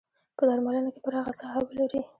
په درملنه کې پراخه ساحه ولري.